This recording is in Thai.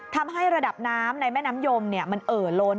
ทำให้ระดับน้ำในแม่น้ำยมมันเอ่อล้น